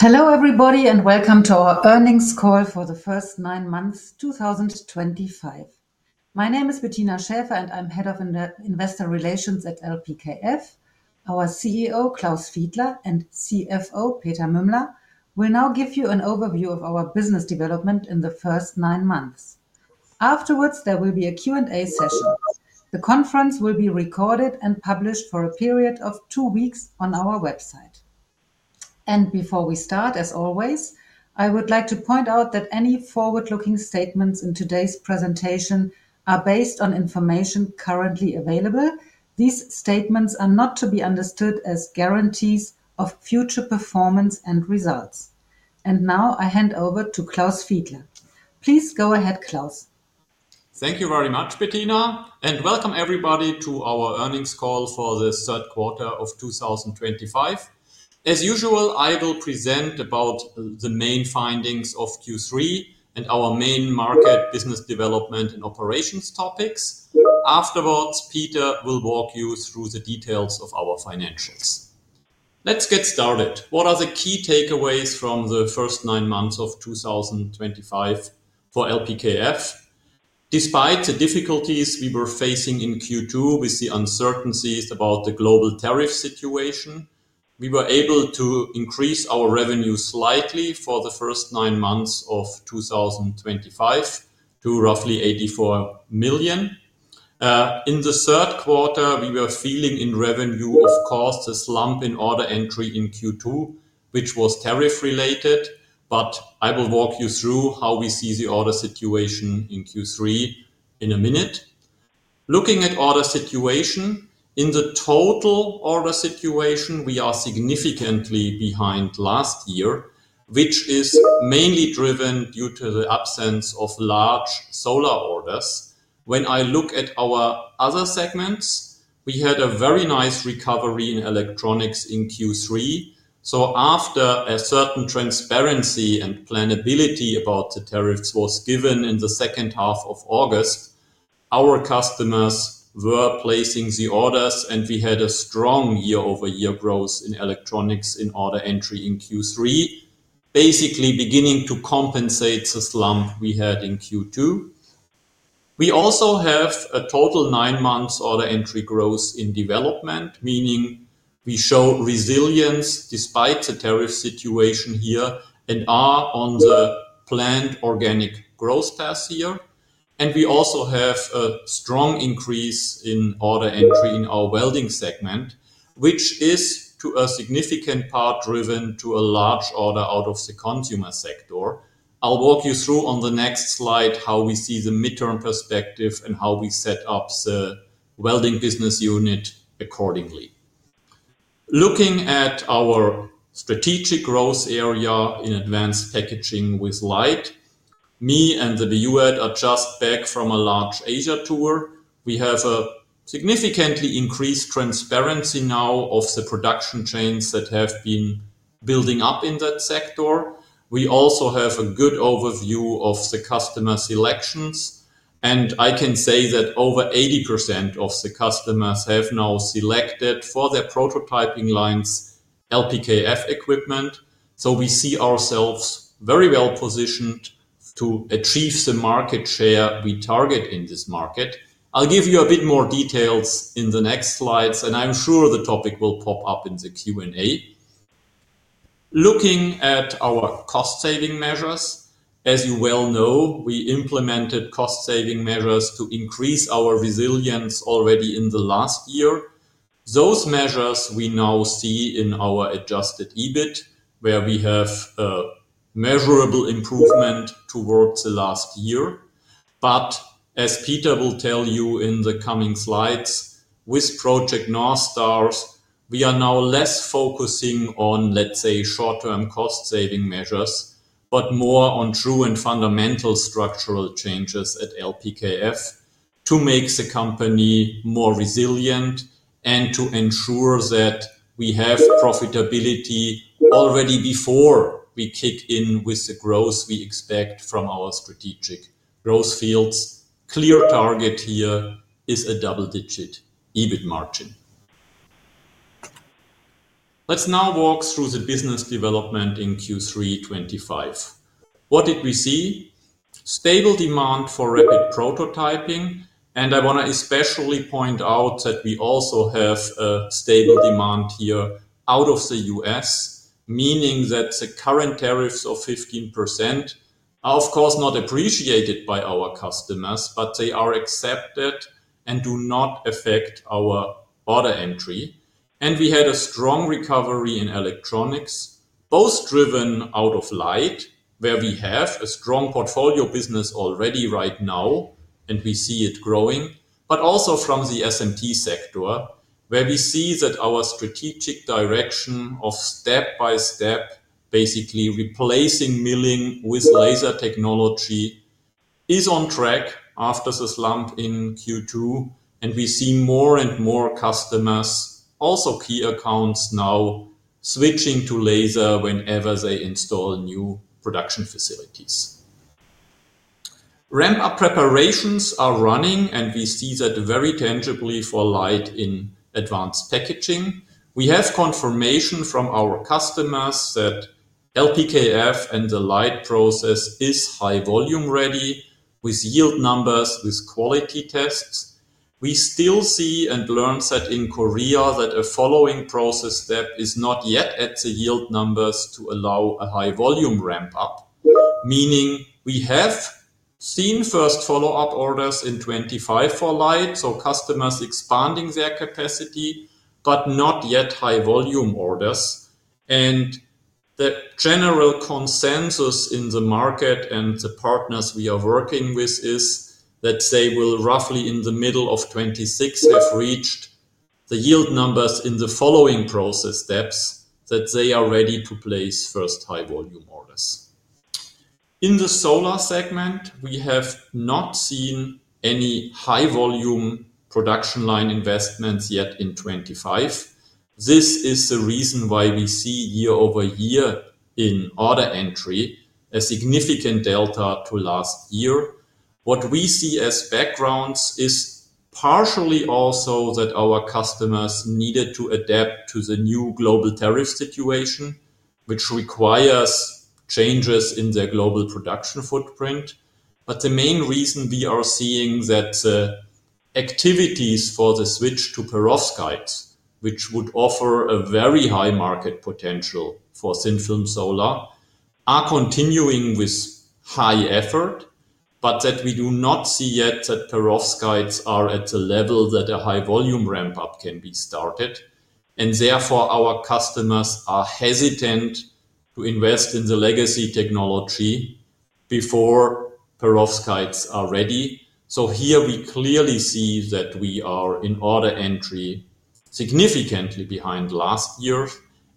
Hello everybody and Welcome to our earnings call for the first nine months 2025. My name is Bettina Schäfer and I'm Head of Investor Relations at LPKF. Our CEO Klaus Fiedler and CFO Peter Mümmler will now give you an overview of our business development in the first nine months. Afterwards there will be a Q and A session. The conference will be recorded and published for a period of two weeks on our website. Before we start, as always, I would like to point out that any forward looking statements in today's presentation are based on information currently available. These statements are not to be understood as guarantees of future performance and results. Now I hand over to Klaus Fiedler. Please go ahead Klaus. Thank you very much, Bettina. And Welcome everybody to our earnings call for the third quarter of 2025. As usual, I will present about the main findings of Q3 and our main market, business development, and operations topics. Afterwards, Peter will walk you through the details of our financials. Let's get started. What are the key takeaways from the first nine months of 2025 for LPKF. Despite the difficulties we were facing in Q2 with the uncertainties about the global tariff situation, we were able to increase our revenue slightly for the first nine months of 2025 to roughly 84 million. In the third quarter, we were feeling in revenue, of course, the slump in order intake in Q2 which was tariff related. I will walk you through how we see the order situation in Q3 in a minute. Looking at order situation, in the total order situation we are significantly behind last year which is mainly driven due to the absence of large solar orders. When I look at our other segments, we had a very nice recovery in electronics in Q3. After a certain transparency and planability about the tariffs was given in the second half of August, our customers were placing the orders and we had a strong year-over-year growth in electronics in order intake in Q3, basically beginning to compensate the slump we had in Q2. We also have a total nine months order intake growth in development, meaning we show resilience despite the tariff situation here and are on the planned organic growth path here. We also have a strong increase in order intake in our welding segment which is to a significant part driven to a large order out of the consumer sector. I'll walk you through on the next slide how we see the midterm perspective and how we set up the welding business unit accordingly. Looking at our strategic growth area in advanced packaging with LIDE, me and the DUAT are just back from a large Asia tour, we have a significantly increased transparency now of the production chains that have been building up in that sector. We also have a good overview of the customer selections and I can say that over 80% of the customers have now selected for their prototyping lines LPKF equipment, so we see ourselves very well positioned to achieve the market share we target in this market. I'll give you a bit more details in the next slides, and I'm sure the topic will pop up in the Q and A. Looking at our cost saving measures, as you well know, we implemented cost saving measures to increase our resilience already in the last year. Those measures we now see in our adjusted EBIT, where we have a measurable improvement towards the last year. As Peter will tell you in the coming slides with project North Star, we are now less focusing on, let's say, short term cost saving measures, but more on true and fundamental structural changes at LPKF to make the company more resilient and to ensure that we have profitability already before we kick in with the growth we expect from our strategic growth fields. Clear target here is a double digit EBIT margin. Let's now walk through the business development in Q3 2025. What did we see? Stable demand for rapid prototyping, and I want to especially point out that we also have a stable demand here out of the U.S., meaning that the current tariffs of 15% are of course not appreciated by our customers, but they are accepted and do not affect our order entry. We had a strong recovery in electronics, both driven out of LIDE, where we have a strong portfolio business already right now, and we see it growing, but also from the SMT sector, where we see that our strategic direction of step by step basically replacing milling with laser technology is on track after the slump in Q2, and we see more and more customers, also key accounts, now switching to laser whenever they install new production facilities. Ramp up preparations are running, and we see that very tangibly for LIDE in advanced packaging. We have confirmation from our customers that LPKF the LIDE process is high volume ready with yield numbers with quality tests. We still see and learn that in Korea, a following process step is not yet at the yield numbers to allow a high volume ramp up, meaning we have seen first follow up orders in 2025 for LIDE, so customers expanding their capacity but not yet high volume orders. The general consensus in the market and the partners we are working with is that they will roughly in the middle of 2026 have reached the yield numbers in the following process steps that they are ready to place first high volume orders. In the solar segment, we have not seen any high volume production line investments yet in 2025. This is the reason why we see year over year in order entry a significant delta to last year. What we see as backgrounds is partially also that our customers needed to adapt to the new global tariff situation, which requires changes in their global production footprint. The main reason we are seeing that activities for the switch to perovskite, which would offer a very high market potential for thin film solar, are continuing with high effort. We do not see yet that perovskite are at the level that a high volume ramp up can be started. Therefore, our customers are hesitant to invest in the legacy technology before perovskite are ready. Here we clearly see that we are in order entry significantly behind last year,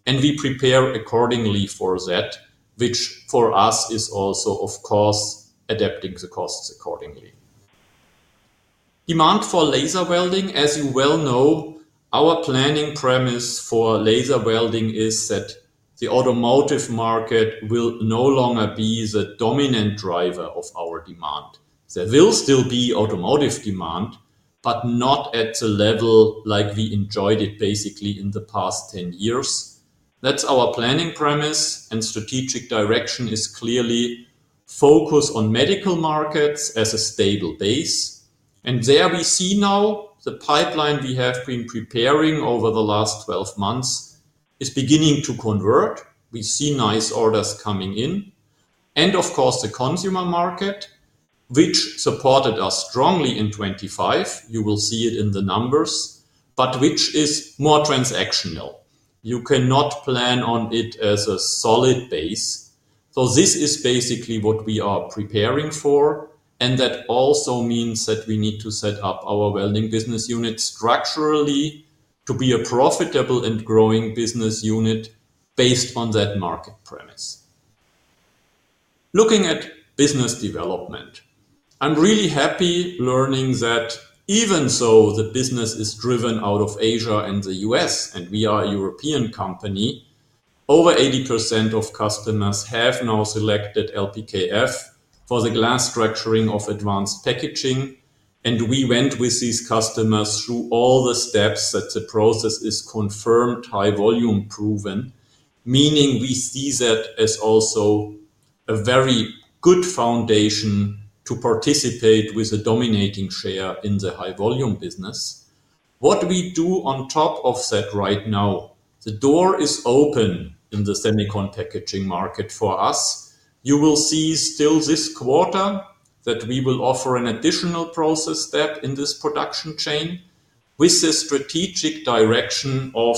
and we prepare accordingly for that, which for us is also of course adapting the costs accordingly. Demand for laser welding, as you well know, our planning premise for laser welding is that the automotive market will no longer be the dominant driver of our demand. There will still be automotive demand, but not at the level like we enjoyed it basically in the past 10 years. That's our planning premise, and strategic direction is clearly focus on medical markets as a stable base. There we see now the pipeline we have been preparing over the last 12 months is beginning to convert. We see nice orders coming in. Of course, the consumer market, which supported us strongly in 2025, you will see it in the numbers, but which is more transactional, you cannot plan on it as a solid base. This is basically what we are preparing for. That also means that we need to set up our welding business unit structurally to be a profitable and growing business unit based on that market premise. Looking at business development, I'm really happy learning that even though the business is driven out of Asia and the U.S. and we are a European company, over 80% of customers have now selected LPKF for the glass structuring of advanced packaging. We went with these customers through all the steps that the process is confirmed. High volume proven, meaning we see that as also a very good foundation to participate with a dominating share in the high volume business. What we do on top of that, right now the door is open in the semiconductor packaging market for us. You will see still this quarter that we will offer an additional process step in this production chain with a strategic direction of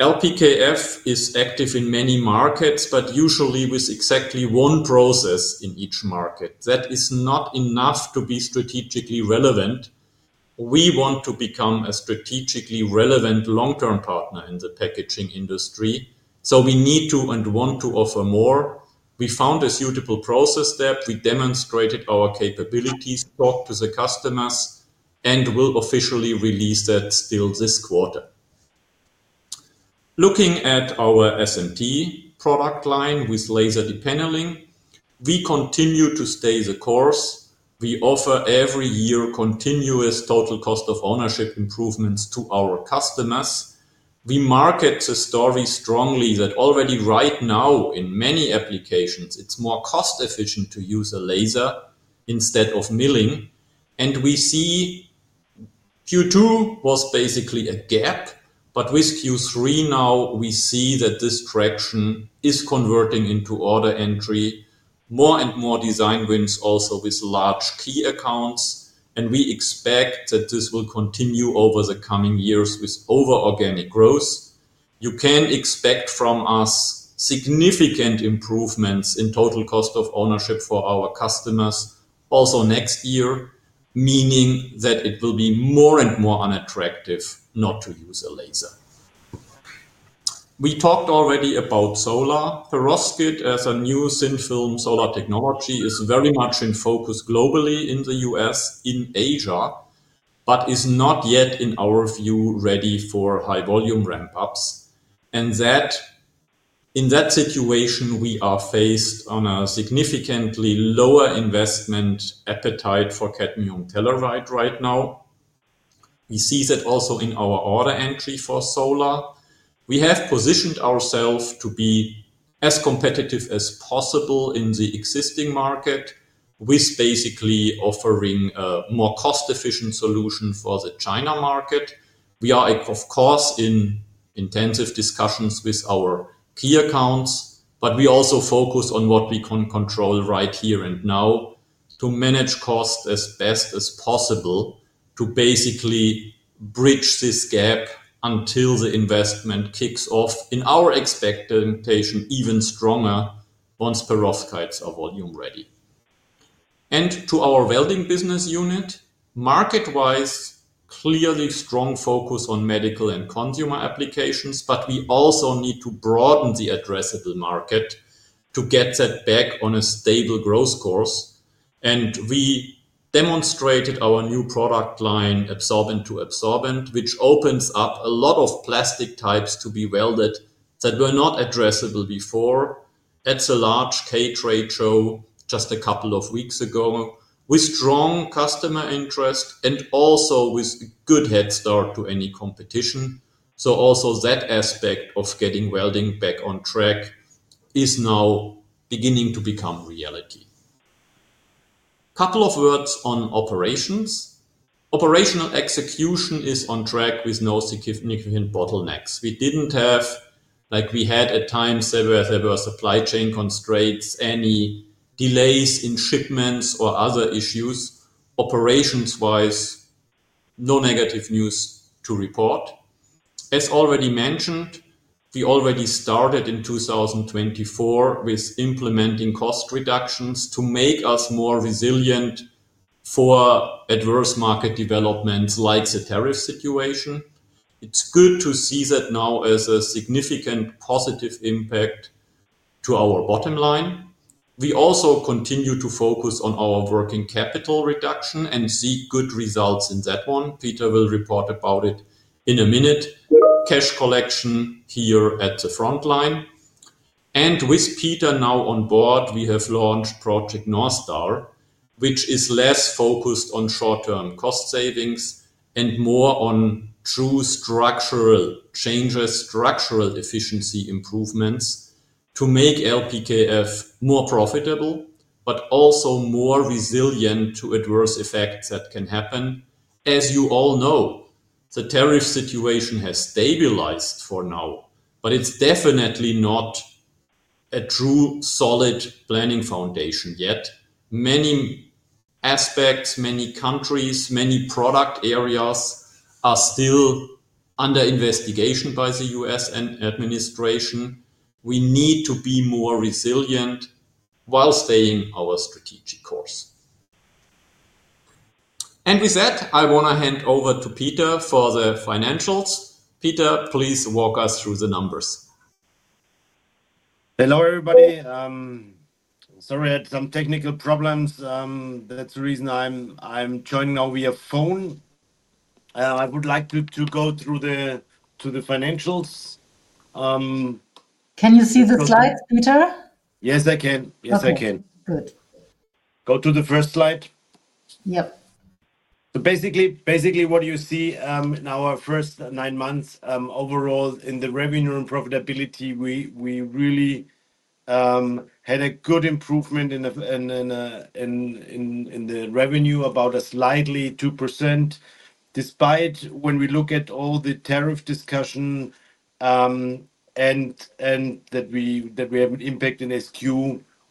LPKF is active in many markets, but usually with exactly one process in each market. That is not enough to be strategically relevant. We want to become a strategically relevant long-term partner in the packaging industry. We need to and want to offer more. We found a suitable process step. We demonstrated our capabilities, talked to the customers, and will officially release that still this quarter. Looking at our SMT product line with laser depaneling, we continue to stay the course. We offer every year continuous total cost of ownership improvements to our customers. We market the story strongly that already right now in many applications it's more cost efficient to use a laser instead of milling. We see Q2 was basically a gap, but with Q3 now we see that this traction is converting into order entry, more and more design wins also with large key accounts. We expect that this will continue over the coming years with organic growth. You can expect from us significant improvements in total cost of ownership for our customers also next year, meaning that it will be more and more unattractive not to use a laser. We talked already about solar. Perovskite as a new thin film solar technology is very much in focus globally in the U.S., in Asia, but is not yet in our view ready for high volume ramp ups. In that situation, we are faced with a significantly lower investment and appetite for cadmium telluride. Right now we see that also in our order entry for solar. We have positioned ourselves to be as competitive as possible in the existing market with basically offering a more cost efficient solution for the China market. We are of course in intensive discussions with our key accounts, but we also focus on what we can control right here and now to manage cost as best as possible to basically bridge this gap until the investment kicks off in our expectation even stronger once perovskites are volume ready. To our welding business unit, market-wise clearly strong focus on medical and consumer applications, but we also need to broaden the addressable market to get that back on a stable growth course. We demonstrated our new product line, absorbent to absorbent, which opens up a lot of plastic types to be welded that were not addressable before at the large K show just a couple of weeks ago with strong customer interest and also with good head start to any competition. That aspect of getting welding back on track is now beginning to become reality. Couple of words on operations. Operational execution is on track with no significant bottlenecks. We didn't have, like we had at times, there were supply chain constraints, any delays in shipments or other issues. Operations-wise, no negative news to report. As already mentioned, we already started in 2024 with implementing cost reductions to make us more resilient for adverse market developments like the tariff situation. It's good to see that now as a significant positive impact to our bottom line. We also continue to focus on our working capital reduction and see good results in that one. Peter will report about it in a minute. Cash collection here at the front line and with Peter now on board, we have launched project North Star, which is less focused on short-term cost savings and more on true structural changes. Structural efficiency improvements to make LPKF more profitable but also more resilient to adverse effects that can happen. As you all know, the tariff situation has stabilized for now, but it's definitely not a true solid planning foundation yet. Many aspects, many countries, many product areas are still under investigation by the U.S. Administration. We need to be more resilient while staying our strategic course. With that, I want to hand over to Peter for the financials. Peter, please walk us through the numbers. Hello everybody. Sorry I had some technical problems. That's the reason I'm joining now via phone. I would like to go through the financials. Can you see the slides, Peter? Yes, I can. Good, go to the first slide. Yep. Basically, what you see in our first nine months overall in the revenue and profitability, we really had a good improvement in the revenue, about a slightly 2%. Despite when we look at all the tariff discussion and that we have an impact in SQ,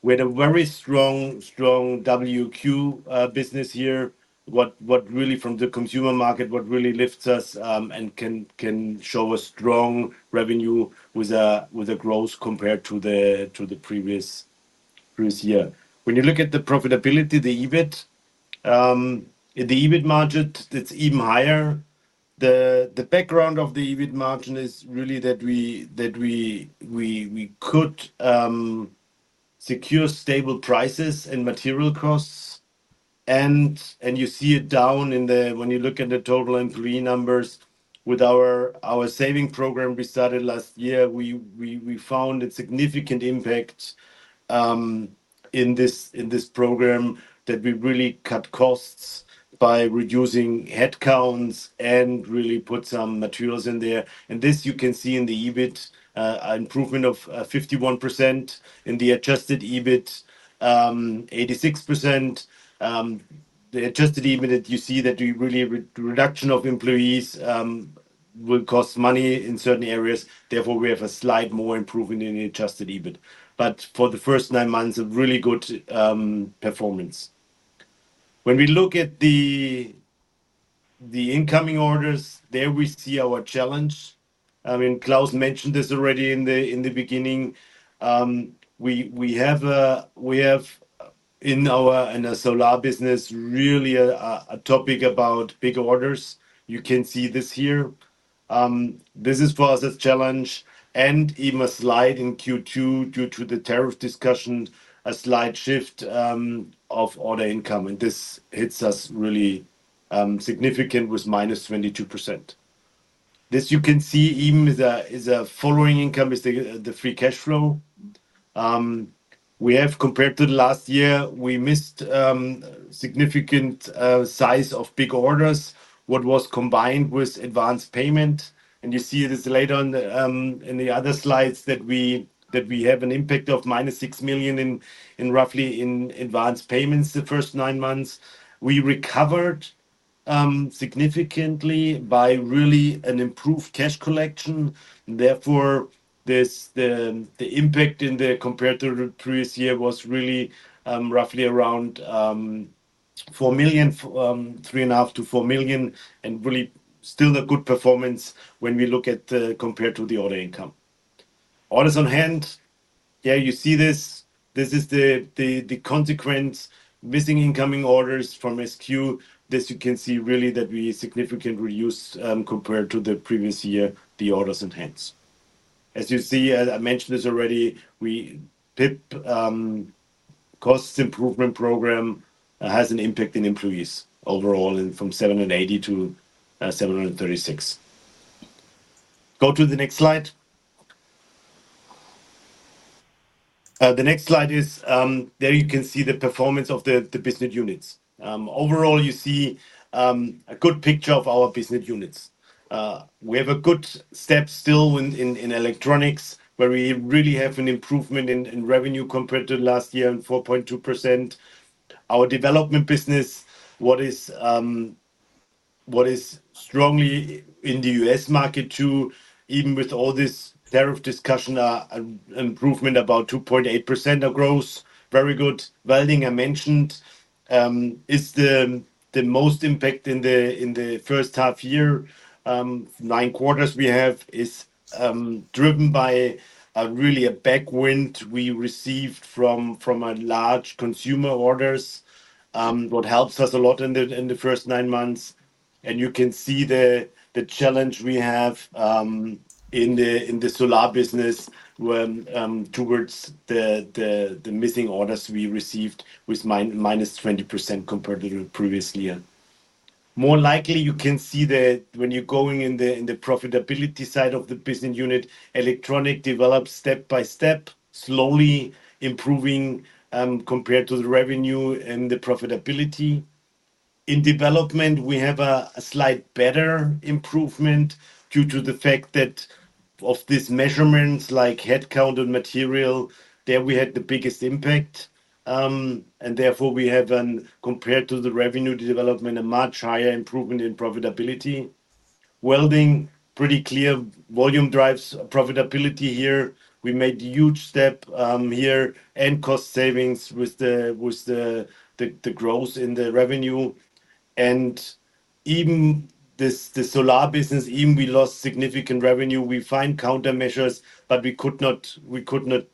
we had a very strong, strong WQ business here. What really from the consumer market, what really lifts us and can show a strong revenue with a growth compared to the previous year. When you look at the profitability, the EBIT, the EBIT margin, that's even higher. The background of the EBIT margin is really that we could secure stable prices and material costs. You see it down when you look at the total employee numbers. With our saving program we started last year, we found a significant impact in this program that we really cut costs by reducing headcounts and really put some materials in there. This you can see in the EBIT improvement of 51% in the adjusted EBIT, 86% the adjusted EBITDA. You see that reduction of employees will cost money in certain areas. Therefore, we have a slight more improvement in adjusted EBIT, but for the first nine months a really good performance. When we look at the incoming orders, there we see our challenge. I mean, Klaus mentioned this already in the beginning. We have in our solar business really a topic about big orders. You can see this here. This is for us a challenge and even a slide in Q2 due to the tariff discussion. A slight shift of order income and this hits us really significant with minus 22%. This you can see even is a following income is the free cash flow we have compared to the last year. We missed significant size of big orders, what was combined with advance payment. You see this later on in the other slides that we have an impact of -6 million in roughly in advance payments. The first nine months we recovered significantly by really an improved cash collection. Therefore, the impact compared to the previous year was really roughly around 4 million, 3.5 million-4 million, and really still a good performance when we look at compared to the other income orders on hand. You see this. This is the consequence, missing incoming orders from SQ. This you can see really that we significantly use compared to the previous year the orders and hands. As you see, I mentioned this already, PIP cost improvement program has an impact in employees overall from 780 employees -736 employees. Go to the next slide. The next slide is there you can see the performance of the business units. Overall you see a good picture of our business units. We have a good step still in electronics where we really have an improvement in revenue compared to last year and 4.2%. Our development business is strongly in the U.S. market too, even with all this tariff discussion, improvement about 2.8% of growth. Very good welding I mentioned is the most impact in the first half year. Nine quarters we have is driven by really a backwind we received from large consumer orders, which helps us a lot in the first nine months. You can see the challenge we have in the solar business towards the missing orders we received with minus 20% compared to the previous year. More likely you can see that when you're going in the profitability side of the business unit. Electronic develops step by step, slowly improving compared to the revenue, and the profitability in development we have a slight better improvement due to the fact that of these measurements like head count and material, there we had the biggest impact. Therefore, we have compared to the revenue development a much higher improvement in profitability. Welding, pretty clear, very volume drives profitability here. We made huge step here in cost savings with the growth in the revenue, and even the solar business, even we lost significant revenue. We find countermeasures, but we could not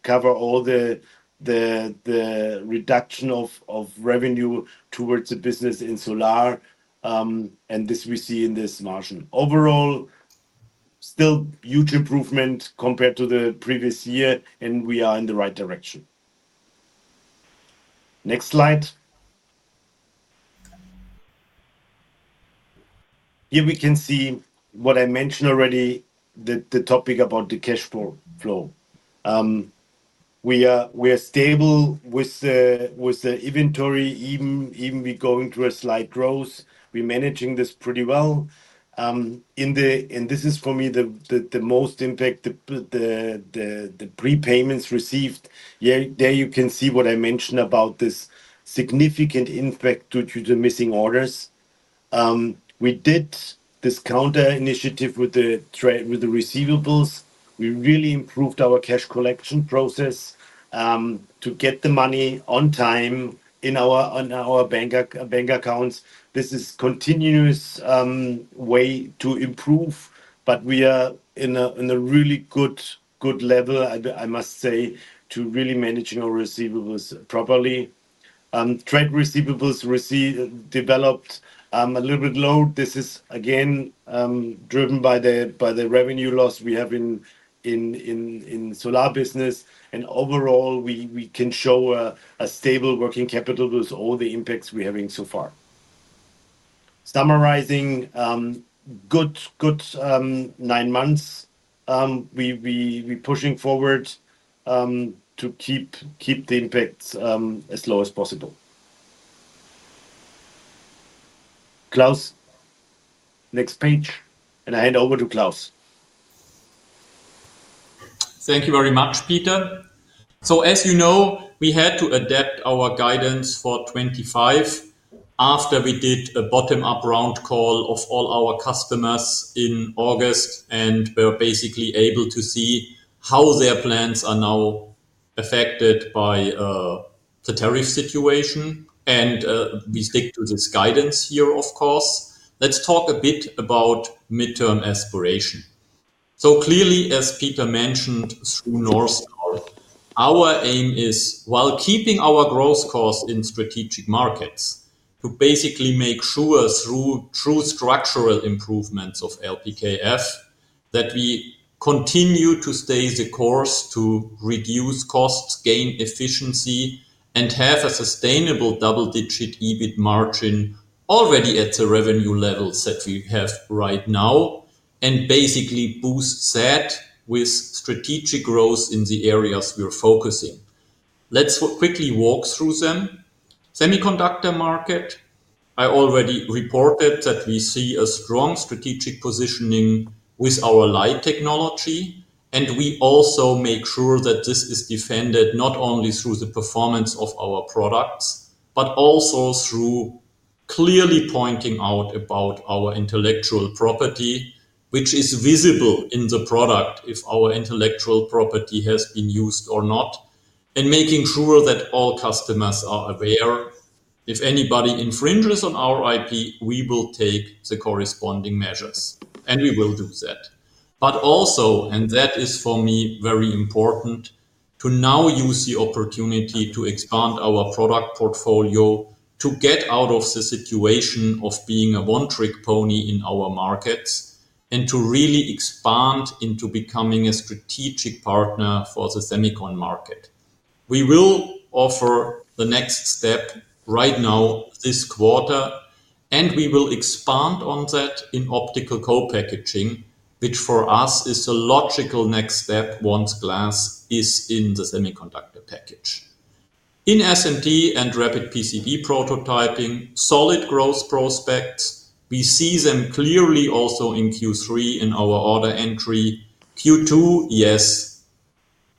cover all the reduction of revenue towards the business in solar. This we see in this margin overall, still huge improvement compared to the previous year. We are in the right direction. Next slide. Here we can see what I mentioned already, the topic about the cash flow. We are stable with the inventory, even we go into a slight growth. We're managing this pretty well, and this is for me the most impact, the prepayments received. There you can see what I mentioned about this significant impact due to missing orders. We did this counter initiative with the trade with the receivables. We really improved our cash collection process to get the money on time in our bank accounts. This is continuous way to improve, but we are in a really good level, I must say, to really managing our receivables properly. Trade receivables received developed a little bit low. This is again driven by the revenue loss we have in solar business and overall we can show a stable working capital with all the impacts we're having so far. Summarizing, good nine months, we pushing forward to keep the impact as low as possible. Klaus, next page and I hand over to Klaus. Thank you very much, Peter. As you know, we had to adapt our guidance for 2025 after we did a bottom-up round call of all our customers in August and were basically able to see how their plans are now affected by the tariff situation. We stick to this guidance here. Of course, let's talk a bit about midterm aspiration. Clearly, as Peter mentioned, through North Star, our aim is, while keeping our growth cost in strategic markets, to basically make sure through true structural improvements of LPKF that we continue to stay the course to reduce costs, gain efficiency, and have a sustainable double-digit EBIT margin already at the revenue levels that we have right now, and basically boost that with strategic growth in the areas we are focusing. Let's quickly walk through them. Semiconductor market, I already reported that we see a strong strategic positioning with our LIDE technology, and we also make sure that this is defended not only through the performance of our products but also through clearly pointing out about our intellectual property, which is visible in the product if our intellectual property has been used or not, and making sure that all customers are aware if anybody infringes on our IP, we will take the corresponding measures, and we will do that. Also, and that is for me very important, to now use the opportunity to expand our product portfolio to get out of the situation of being a one-trick pony in our markets and to really expand into becoming a strategic partner for the semicon market. We will offer the next step right now this quarter, and we will expand on that in optical co-packaging, which for us is a logical next step once glass is in the semiconductor package in SMT and rapid PCB prototyping. Solid growth prospects, we see them clearly also in Q3 in our order entry. Q2, yes,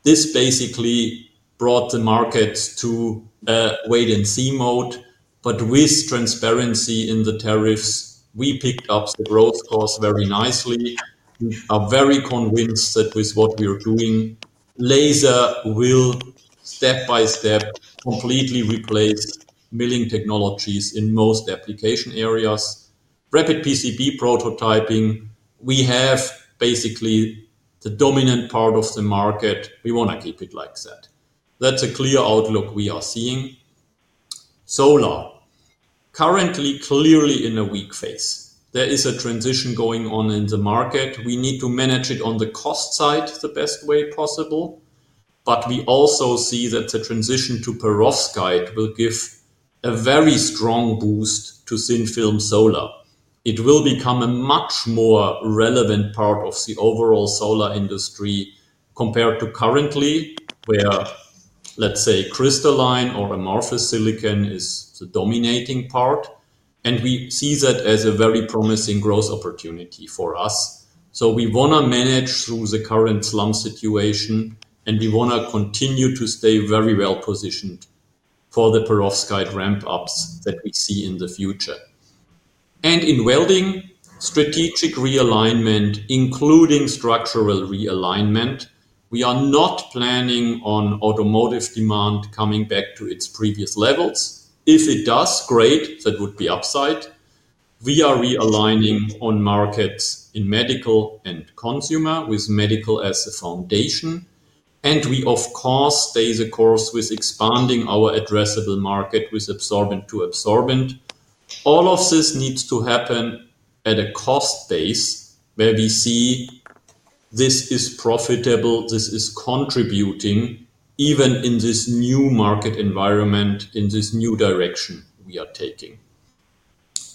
this basically brought the market to wait-and-see mode. With transparency in the tariffs, we picked up the growth cost very nicely. We are very convinced that with what we are doing, laser will step by step completely replace milling technologies in most application areas. Rapid PCB prototyping, we have basically the dominant part of the market. We want to keep it like that. That's a clear outlook. We are seeing solar currently clearly in a weak phase. There is a transition going on in the market. We need to manage it on the cost side the best way possible. We also see that the transition to perovskite will give a very strong boost to thin film solar. It will become a much more relevant part of the overall solar industry compared to currently, where, say, crystalline or amorphous silicon is the dominating part. We see that as a very promising growth opportunity for us. We want to manage through the current slump situation, and we want to continue to stay very well positioned for the perovskite ramp ups that we see in the future. In welding strategic realignment, including structural realignment, we are not planning on automotive demand coming back to its previous levels. If it does, great, that would be upside. We are realigning on markets in medical and consumer, with medical as a foundation. We, of course, stay the course with expanding our addressable market with absorbent to absorbent. All of this needs to happen at a cost base where we see this is profitable, this is contributing even in this new market environment, in this new direction we are taking.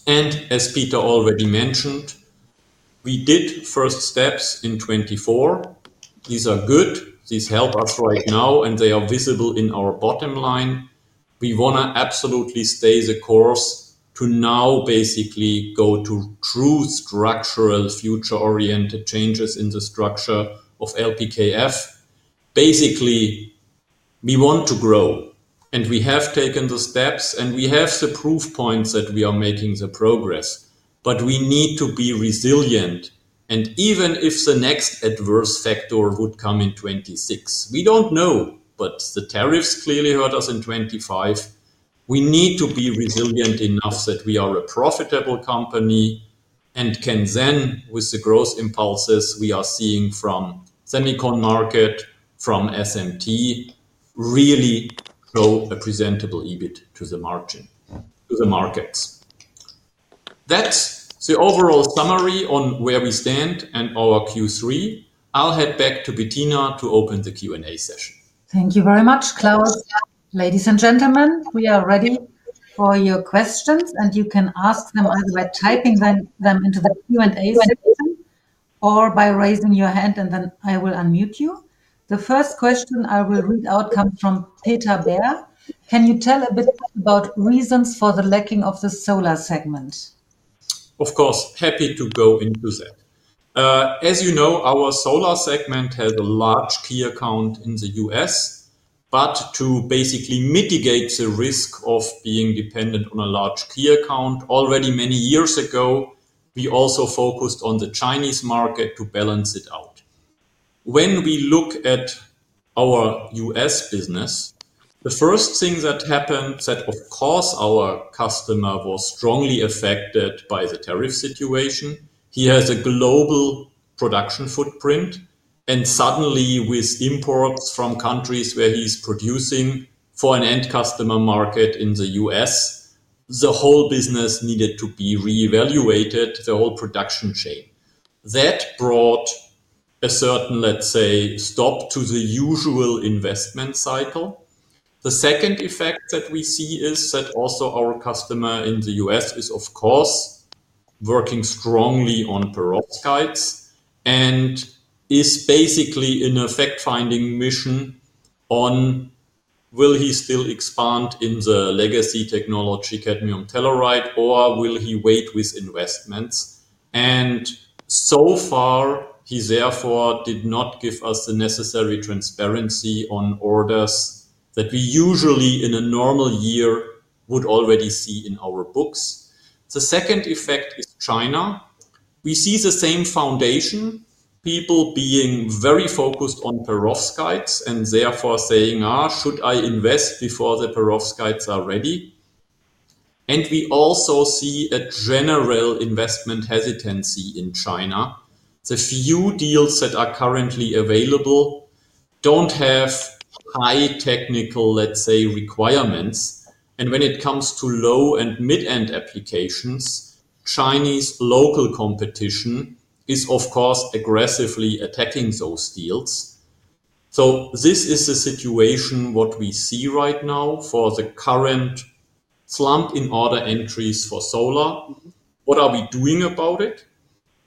As Peter already mentioned, we did first steps in 2024. These are good, these help us right now, and they are visible in our bottom line. We want to absolutely stay the course to now basically go to true structural future-oriented changes in the structure of LPKF. Basically, we want to grow, and we have taken the steps, and we have the proof points that we are making the progress. We need to be resilient. Even if the next adverse factor would come in 2026, we don't know, but the tariffs clearly hurt us in 2025. We need to be resilient enough that we are a profitable company and can then, with the growth impulses we are seeing from semicon market, from SMT, really show a presentable EBIT margin to the markets. That's the overall summary on where we stand and our Q3. I'll head back to Bettina to open the Q&A session. Thank you very much, Klaus. Ladies and gentlemen, we are ready for your questions. You can ask them either by typing them into the Q&A session or by raising your hand, and then I will unmute you. The first question I will read out comes from Peter Baer. Can you tell a bit about reasons for the lacking of the solar segment? Of course, happy to go into that. As you know, our solar segment has a large key account in the U.S., but to basically mitigate the risk of being dependent on a large key account, already many years ago we also focused on the Chinese market to balance it out. When we look at our U.S. business, the first thing that happened is that our customer was strongly affected by the tariff situation. He has a global production footprint, and suddenly with imports from countries where he's producing for an end customer market in the U.S., the whole business needed to be reevaluated, the whole production chain. That brought a certain, let's say, stop to the usual investment cycle. The second effect that we see is that our customer in the U.S. is working strongly on perovskites and is basically in a fact-finding mission on whether he will still expand in the legacy technology, cadmium telluride, or will he wait with investments? So far, he therefore did not give us the necessary transparency on orders that we usually in a normal year would already see in our books. The second effect is China. We see the same foundation, people being very focused on perovskites and therefore saying, should I invest before the perovskites are ready? We also see a general investment hesitancy in China. The few deals that are currently available don't have high technical, let's say, requirements. When it comes to low and mid-end applications, Chinese local competition is aggressively attacking those deals. This is the situation we see right now for the current slump in order entries for solar. What are we doing about it?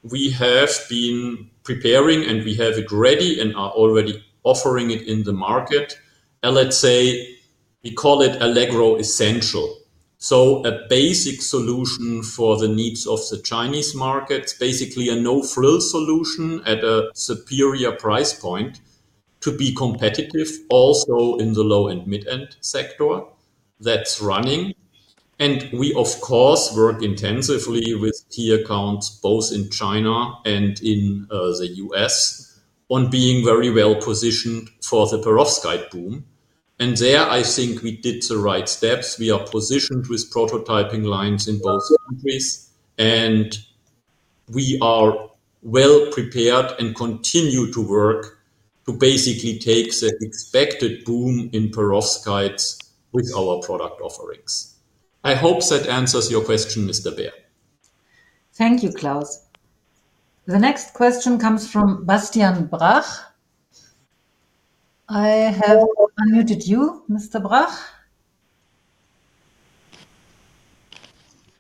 We have been preparing and we have it ready and are already offering it in the market. Let's say we call it allegro essential, so a basic solution for the needs of the Chinese markets, basically a no-frill solution at a superior price point to be competitive also in the low and mid-end sector. That's running. We work intensively with key accounts both in China and in the U.S. on being very well positioned for the perovskite boom. I think we did the right steps. We are positioned with prototyping lines in both countries and we are well prepared and continue to work to basically take the expected boom in perovskites with our product offerings. I hope that answers your question, Mr. Baer. Thank you, Klaus. The next question comes from Bastian Brach. I have unmuted you, Mr. Brach.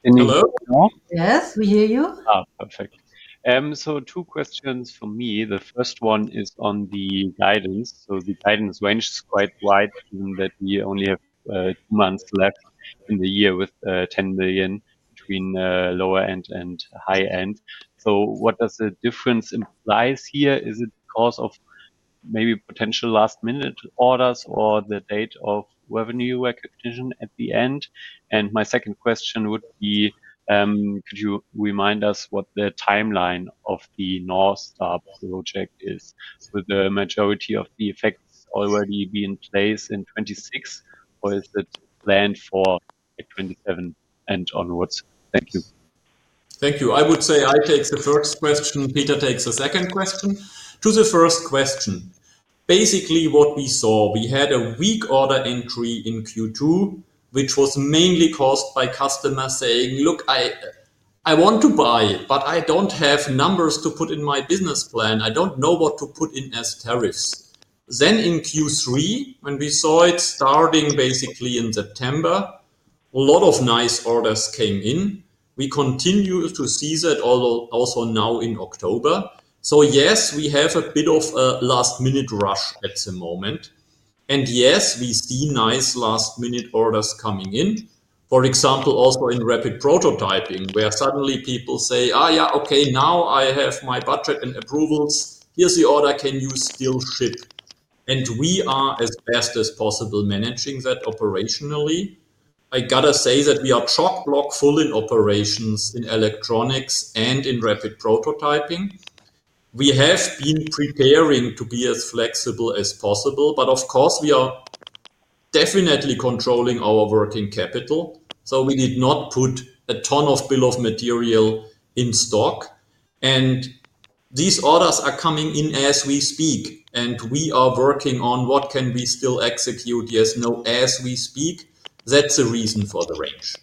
Hello. Yes, we hear you. Perfect. Two questions for me. The first one is on the guidance. The guidance range is quite wide. That we only have two months left. In the year with 10 million between lower end and high end. What does the difference imply here? Is it because of maybe potential last minute orders or the date of revenue recognition at the end? My second question would be, could you remind us what the timeline of the North Star project initiative is, with the majority of the effects already be in place in 2026, or is it planned for 2027 and onwards? Thank you. Thank you. I would say I take the first question. Peter takes the second question. To the first question, basically what we saw, we had a weak order entry in Q2, which was mainly caused by customers saying look, I want to buy but I don't have numbers to put in my business plan. I don't know what to put in as tariffs. In Q3, we saw it starting basically in September, a lot of nice orders came in. We continue to see that also now in October. Yes, we have a bit of a last minute rush at the moment. Yes, we see nice last minute orders coming in. For example, also in rapid prototyping where suddenly people say okay, now I have my budget and approvals, here's the order, can you still ship? We are as best as possible managing that operationally. I got to say that we are chalk block full in operations, in electronics and in rapid prototyping. We have been preparing to be as flexible as possible, but of course we are definitely controlling our working capital. We did not put a ton of bill of material in stock. These orders are coming in as we speak and we are working on what can we still execute. Yes, no, as we speak, that's the reason for the range.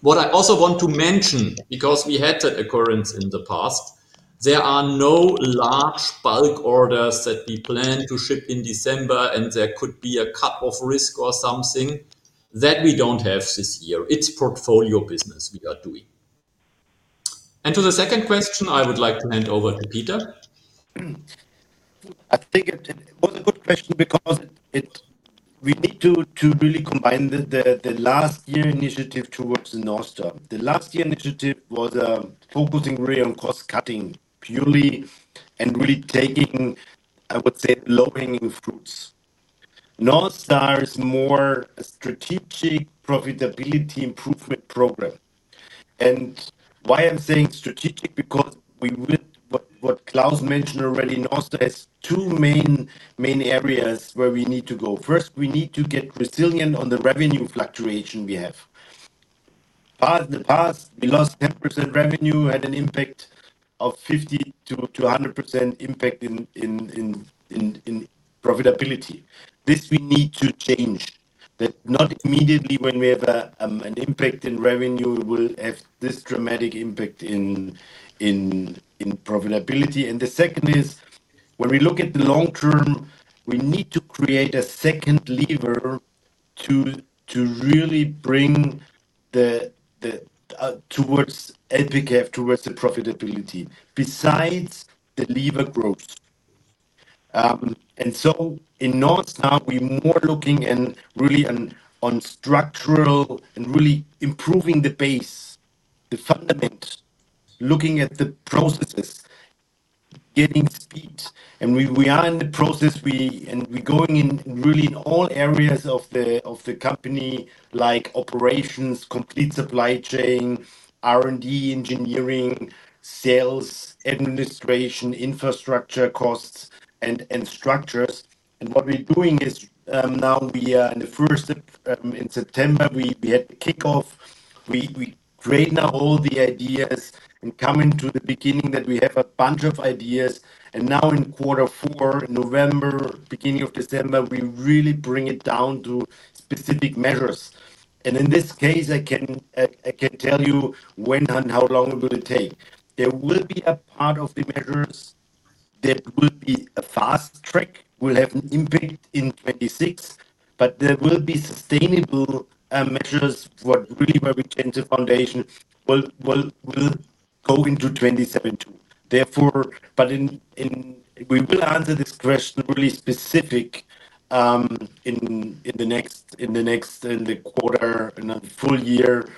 What I also want to mention, because we had that occurrence in the past, there are no large bulk orders that we plan to ship in December and there could be a cut off risk or something that we don't have this year. It's portfolio business we are doing. To the second question I would like to hand over to Peter. I think it was a good question because we need to really combine the last year initiative towards North Star. The last year initiative was focusing really on cost cutting purely and really taking, I would say, low hanging fruits. North Star is a more strong strategic profitability improvement program. I'm saying strategic because, as Klaus mentioned already, North Star has two main areas where we need to go. First, we need to get resilient on the revenue fluctuation. In the past, we lost 10% revenue, had an impact of 50%-100% impact in profitability. We need to change that, so not immediately when we have an impact in revenue will we have this dramatic impact in profitability. The second is, when we look at the long term, we need to create a second lever to really bring towards EBIT, towards the profitability, besides the lever growth. In North Star, we are more looking at really improving the base, the fundamentals, looking at the processes, getting speed. We are in the process and we're going in really in all areas of the company, like operations, complete supply chain, R&D, engineering, sales, administration, infrastructure costs, and structures. What we're doing is, now we are in the first, in September, we had the kickoff. We create now all the ideas and coming to the beginning that we have a bunch of ideas. Now in Q4, November, beginning of December, we really bring it down to specific measures. In this case, I can tell you when and how long will it take. There will be a part of the measures that will be a fast track, will have an impact in 2026, but there will be sustainable measures, what really the foundation will go into 2027, therefore. We will answer this question really specific in the next, in the quarter and then full year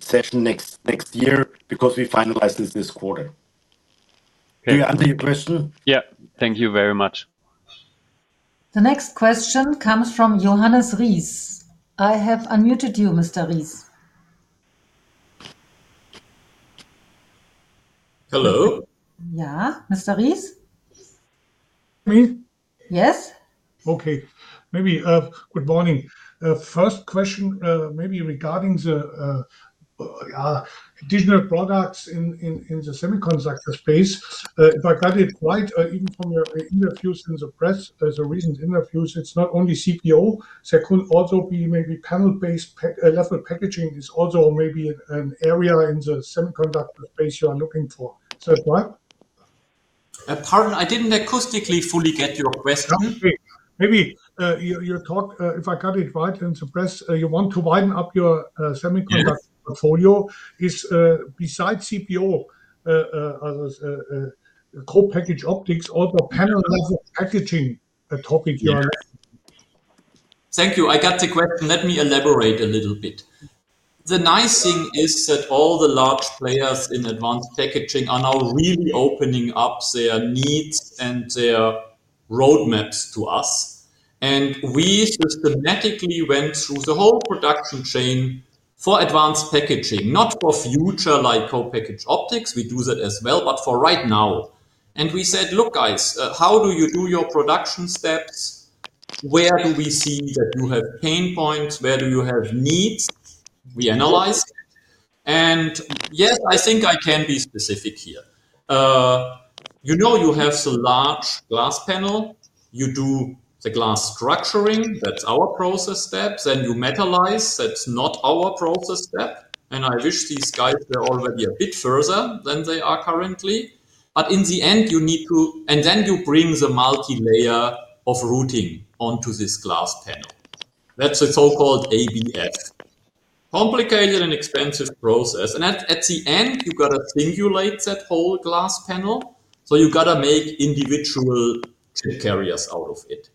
session next year because we finalize this quarter. Do you answer your question? Thank you very much. The next question comes from Johannes Ries. I have unmuted you, Mr. Ries. Hello. Yes, Mr. Ries, Me. Yes. Okay. Good morning. First question maybe regarding the digital products in the semiconductor space. If I got it right, even from your interviews in the press as recent interviews. It's not only CPO, there could also be maybe panel-based level packaging is also maybe an area in the semiconductor space you are looking for. Pardon? I didn't acoustically fully get your question. Maybe your talk. If I got it right and suppose you want to widen up your semiconductor portfolio. Is besides CPO co-packaged optics or the panel level packaging a topic? Thank you, I got the question. Let me elaborate a little bit. The nice thing is that all the large players in advanced packaging are now really opening up their needs and their roadmaps to us. We systematically went through the whole production chain for advanced packaging, not for future like co-package optics. We do that as well, but for right now. We said look guys, how do you do your production steps? Where do we see that you have pain points? Where do you have needs? We analyzed and yes I think I can be specific here. You know you have the large glass panel, you do the glass structuring, that's our process step. Then you metallize, that's not our process step. I wish these guys were already a bit further than they are currently. In the end you need to, and then you bring the multi-layer of routing onto this glass panel. That's a so-called ABF, complicated and expensive process. At the end you've got to singulate that whole glass panel, so you gotta make individual chip carriers out of it.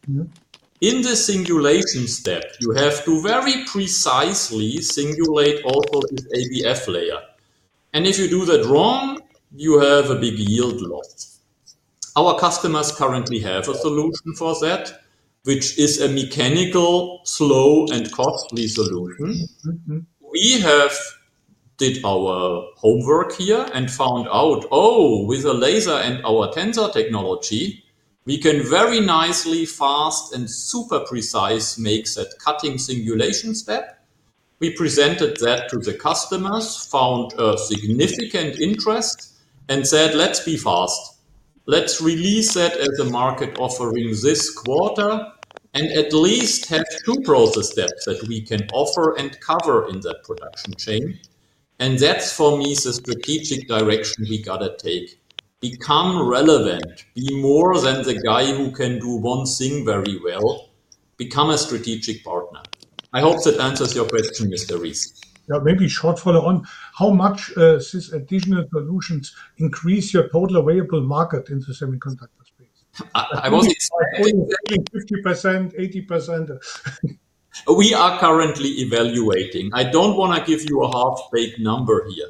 In the singulation step you have to very precisely singulate also this ABF layer, and if you do that wrong you have a big yield loss. Our customers currently have a solution for that which is a mechanical, slow, and costly solution. We have did our homework here and found out oh with a laser and our tensor technology we can very nicely, fast, and super precise make that cutting singulation step. We presented that to the customers, found a significant interest, and said let's be fast, let's release that as a market offering this quarter and at least have two process steps that we can offer and cover in that production chain. That's for me the strategic direction we gotta take, become relevant. Be more than the guy who can do one thing very well, become a strategic partner. I hope that answers your question Mr. Ries. Maybe short follow on how much this additional solutions increase your total available market. Market in the semiconductor space. 50%, 80%. We are currently evaluating. I don't want to give you a half-baked number here.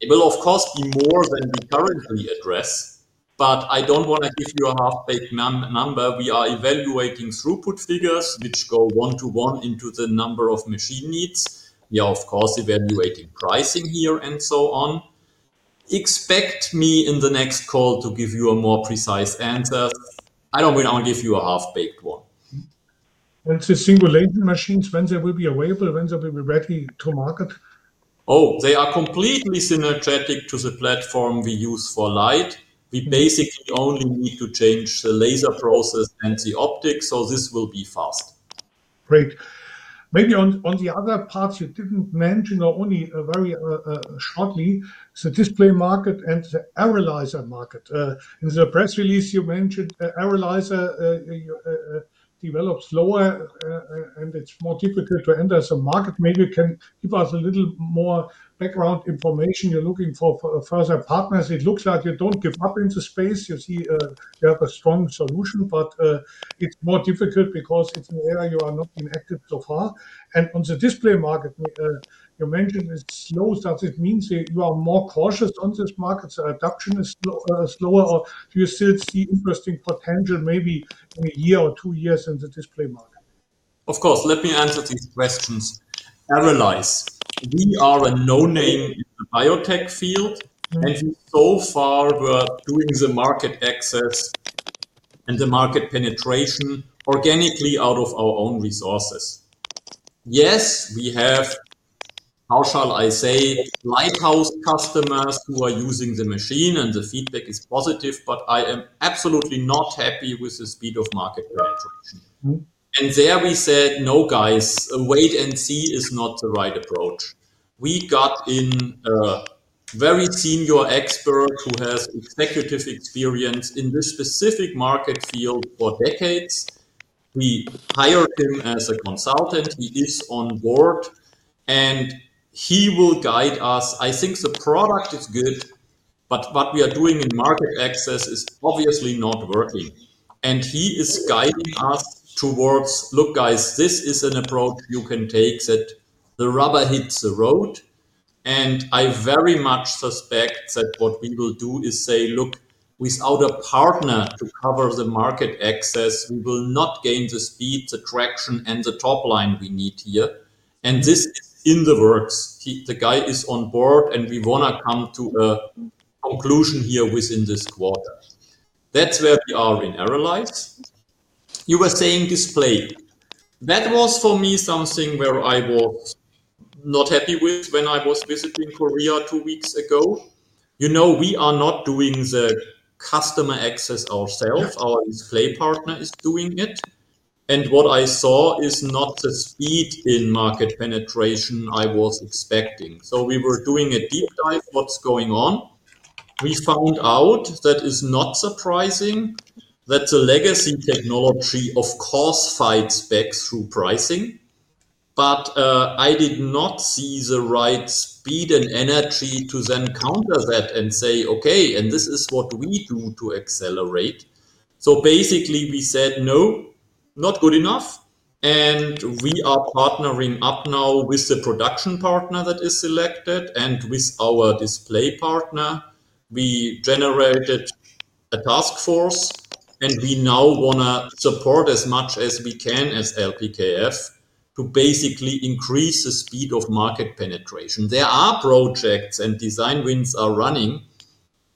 It will of course be more than we currently address, but I don't want to give you a half-baked number. We are evaluating throughput figures, which go one to one into the number of machine needs. We are of course evaluating pricing here and so on. Expect me in the next call to give you a more precise answer. I don't mean I'll give you a. Half baked one. And the single laser machines, when they will be available, when they will be ready to market. Oh, they are completely synergetic to the platform we use for light. We basically only need to change the laser process and the optics. This will be fast. Great. Maybe on the other parts you didn't mention or only very shortly, the display market and the area in the press release you mentioned, ARRALYZE develops lower and it's more difficult to enter the market. Maybe you can give us a little more background information. You're looking for further partners. It looks like you don't give up in the space. You see you have a strong solution, but it's more difficult because it's an area you are not active so far. On the display market you mentioned it's slow. It means you are more cautious on this market. Adoption is slower or do you still see interesting potential maybe in a year or two years in the display market? Of course. Let me answer these questions. We are a no name in the biotech field and we so far were doing the market access and the market penetration organically out of our own resources. Yes, we have, how shall I say, lighthouse customers who are using the machine and the feedback is positive. I am absolutely not happy with the speed of market graduation. We said no guys, wait and see is not the right approach. We got in a very senior expert who has executive experience in this specific market field for decades. We hired him as a consultant. He is on board and he will guide us. I think the product is good, but what we are doing in market access is obviously not working. He is guiding us towards, look guys, this is an approach you can take that the rubber hits the road. I very much suspect that what we will do is say, look, without a partner to cover the market access, we will not gain the speed, the traction and the top line we need here. This is in the works. The guy is on board and we want to come to a conclusion here within this quarter. That's where we are in our lives. You were saying display. That was for me something where I was not happy with when I was visiting Korea two weeks ago. We are not doing the customer access ourselves. Our display partner is doing it. What I saw is not the speed in market penetration I was expecting. We were doing a deep dive. What's going on? We found out that it is not surprising that the legacy technology of course fights back through pricing. I did not see the right speed and energy to then counter that and say okay, this is what we do to accelerate. We said no, not good enough. We are partnering up now with the production partner that is selected and with our display partner we generated a task force and we now want to support as much as we can as LPKF to basically increase the speed of market penetration. There are projects and design wins are running,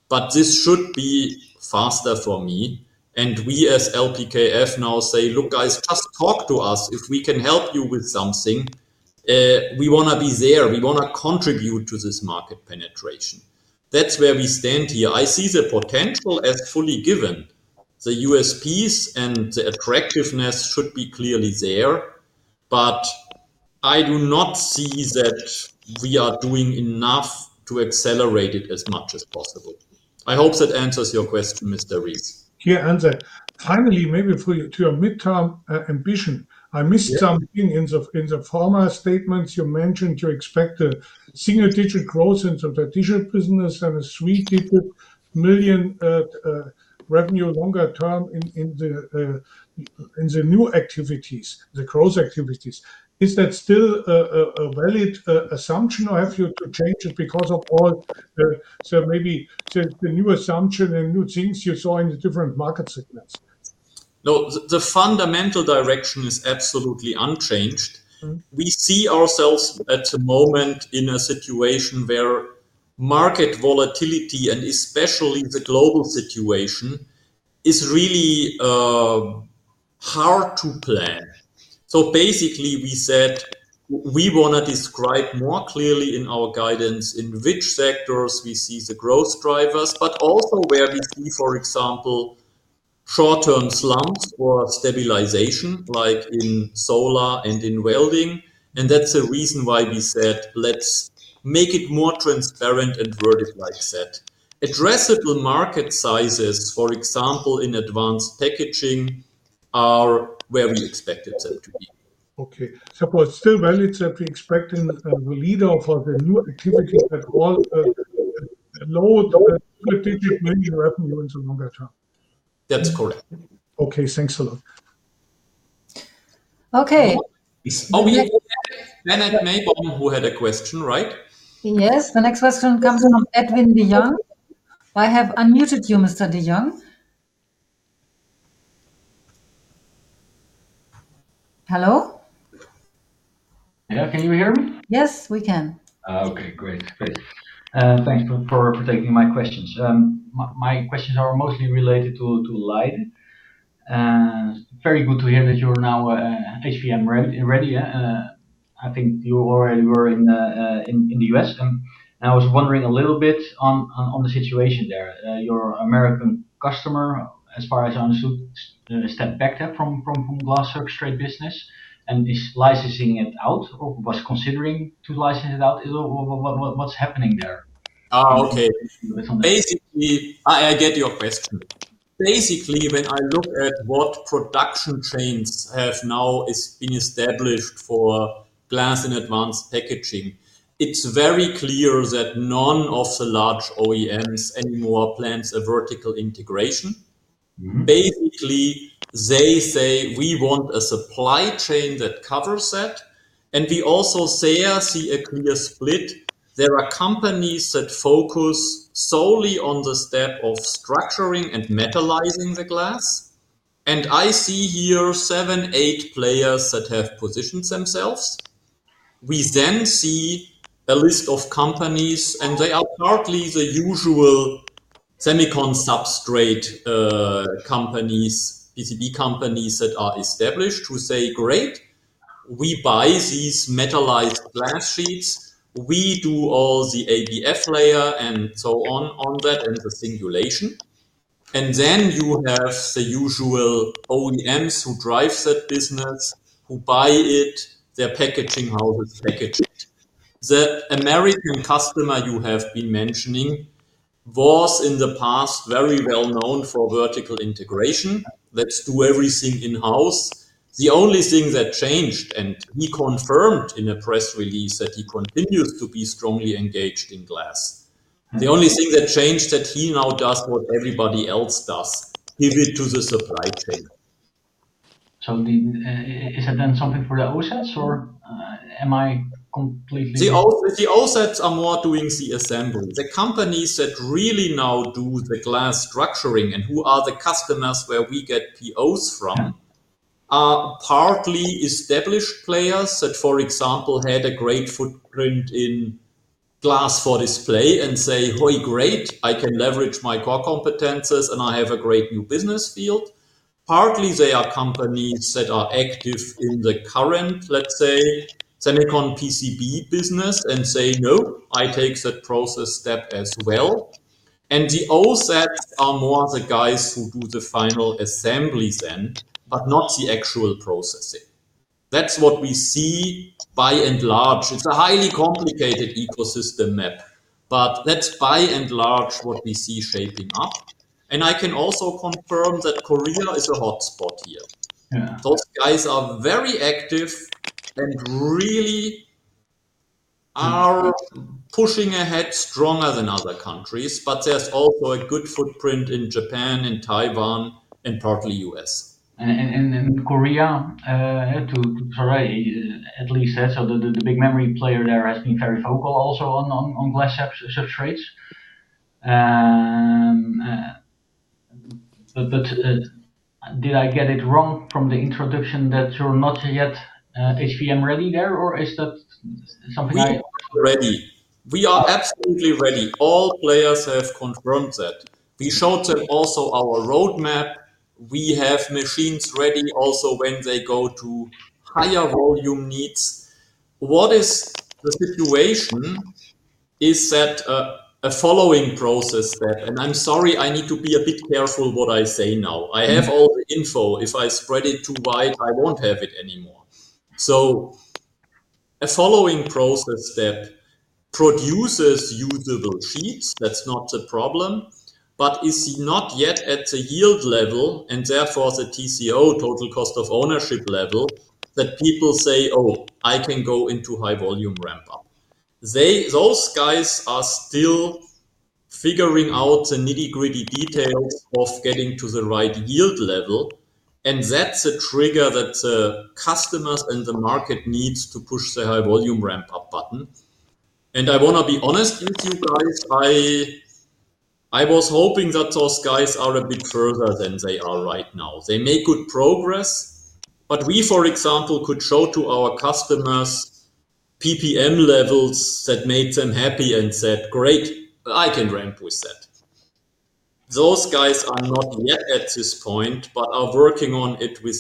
but this should be faster for me. We as LPKF now say, look guys, just talk to us if we can help you with something. We want to be there. We want to contribute to this market penetration. That's where we stand here. I see the potential as fully given the USPs and the attractiveness should be clearly there. I do not see that we are doing enough to accelerate it as much as possible. I hope that answers your question, Mr. Rees here. Finally, maybe to your midterm ambition. I missed something in the former statements you mentioned. You expect the single digit growth in the digital business and a three digit million revenue longer term in the new activities, the growth activities. Is that still a valid assumption or have you to change it because of all? Maybe the new assumption and new things you saw in the different market segments. No, the fundamental direction is absolutely unchanged. We see ourselves at the moment in a situation where market volatility and especially the global situation is really hard to plan. Basically, we said we want to describe more clearly in our guidance in which sectors we see the growth drivers, but also where we see, for example, short term slumps or stabilization like in solar and in welding. That's the reason why we said let's make it more transparent and vertical like that. Addressable market sizes, for example, in advanced packaging are where we expected them to be. Okay, suppose still valid that we expecting the leader for the new activity that was low revenue in the longer term. That's correct. Okay, thanks a lot. Okay. Who had a question, right? Yes, the next question comes from Edwin De Jong. I have unmuted you. Mr. De Jong, hello? Can you hear me? Yes, we can. Okay, great. Thanks for taking my questions. My questions are mostly related to light. Very good to hear that you're now HVM ready. I think you already were in the U.S. I was wondering a little bit on the situation there. Your American customer, as far as I understood, stepped back there from glass structuring business and is licensing it out or was considering to license it out. What's happening there? I get your question. Basically, when I look at what production chains have now been established for glass in advanced packaging, it's very clear that none of the large OEMs anymore plans a vertical integration. They say we want a supply chain that covers that. I also see a clear split. There are companies that focus solely on the step of structuring and metallizing the glass. I see here seven, eight players that have positioned themselves. We then see a list of companies and they are partly the usual semiconductor substrate companies. PCB companies that are established who say great, we buy these metallized glass sheets, we do all the ABF layer and so on on that and the singulation. You have the usual OEMs who drive that business, who buy it, their packaging houses, package it. The American customer you have been mentioning was in the past very well known for vertical integration, let's do everything in house. The only thing that changed, and he confirmed in a press release that he continues to be strongly engaged in glass, the only thing that changed is that he now does what everybody else does, give it to the supply chain. Is it then something for the OSATs or am I completely. The OSATs are more doing the assembly. The companies that really now do the glass structuring and who are the customers where we get POS from are partly established players that, for example, had a great footprint in glass for display and say hey great, I can leverage my core competences and I have a great new business field. Partly they are companies that are active in the current, let's say, semicon PCB business and say no, I take that process step as well. The OSATs are more the guys who do the final assemblies then, but not the actual processing. That's what we see by and large. It's a highly complicated ecosystem map, but that's by and large what we see shaping up. I can also confirm that Korea is a hot spot here. Those guys are very active and really are pushing ahead, stronger than other countries. There's also a good footprint in Japan and Taiwan and partly U.S. Korea. And Korea at least said so. The big memory player there has been very vocal also on glass substrates. Did I get it wrong from the introduction that you're not yet HVM ready there, or is that something ready? We are absolutely ready. All players have confirmed that we showed them also our roadmap. We have machines ready also when they go to higher volume needs. What is the situation? Is that a following process? I need to be a bit careful what I say now. I have all this info. If I spread it too wide, I won't have it anymore. A following process step produces usable sheets. That's not the problem, but is not yet at the yield level and therefore the TCO, total cost of ownership, level that people say oh, I can go into high volume ramp up. Those guys are still figuring out the nitty gritty details of getting to the right yield level and that's a trigger that the customers and the market need to push the high volume ramp up button. I want to be honest with you guys, I was hoping that those guys are a bit further than they are right now. They make good progress. We, for example, could show to our customers PPM levels that made them happy and said great, I can ramp with that. Those guys are not yet at this point but are working on it with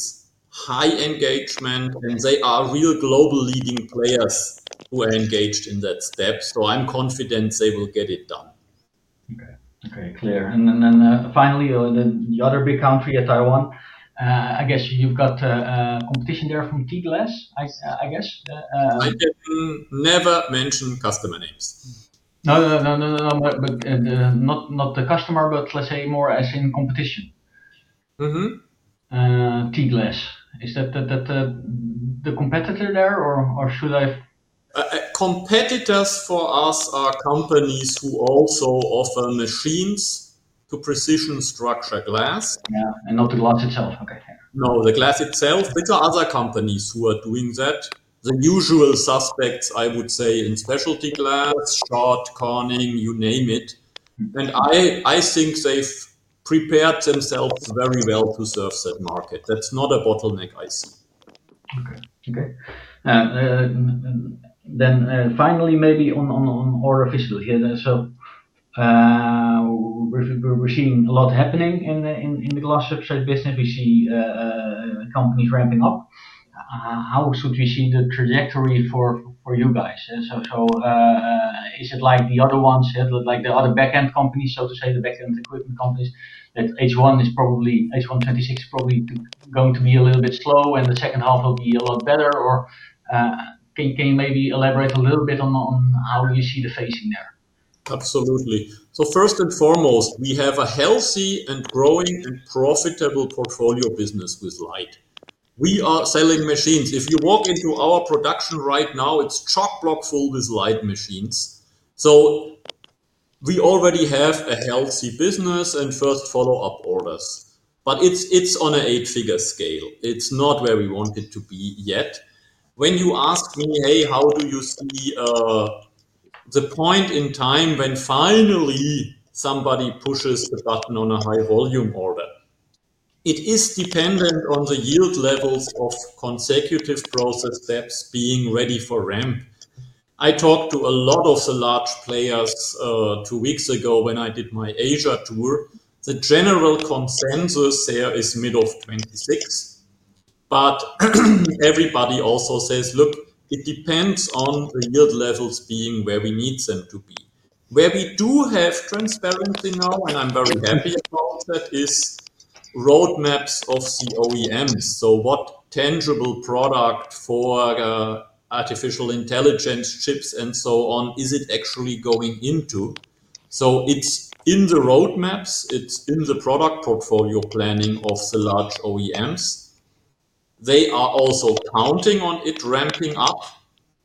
high engagement and they are real global leading players who are engaged in that step. I am confident they will get it done. Okay, clear. Finally, the other big country, Taiwan. I guess you've got competition there from T-Glass. I guess I never mention customer names. No, no, no, no, no. Not the customer, let's say more as in competition, T-Glass. Is that the competitor there or should I? Competitors for us are companies who also offer machines to precision structure glass. Yeah. Not the glass itself. No, the glass itself. There are other companies who are doing that. The usual suspects, I would say, in Specialty Glass, SCHOTT, Corning, you name it. I think they've prepared themselves very well to serve that market. That's not a bottleneck. I see. Okay. Okay. Finally, maybe on orifice here. We're seeing a lot happening in the glass structuring business. We see companies ramping up. How should we see the trajectory for you guys? Is it like the other ones, like the other back end companies, so to say the back end equipment companies, that H1 is probably, H1 2026 is probably going to be a little bit slow and the second half will be a lot better? Can you maybe elaborate a little bit on how you see the facing there? Absolutely. First and foremost, we have a healthy and growing and profitable portfolio business with light. We are selling machines. If you walk into our production right now, it's chock block full with light machines. We already have a healthy business and first follow-up orders. It's on an eight-figure scale. It's not where we want it to be yet. When you ask me, hey, how do you see the point in time when finally somebody pushes the button on a high-volume order? It is dependent on the yield levels of consecutive process steps being ready for ramp. I talked to a lot of the large players two weeks ago when I did my Asia tour. The general consensus there is mid of 2026, but everybody also says, look, it depends on the yield levels being where we need them to be. Where we do have transparency now, and I'm very happy about that, is roadmaps of the OEMs. What tangible product for artificial intelligence chips and so on is it actually going into? It's in the roadmaps, it's in the product portfolio planning of the large OEMs. They are also counting on it ramping up